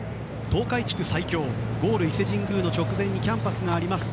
東海地区、最強ゴール伊勢神宮の直前にキャンパスがあります。